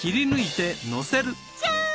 じゃん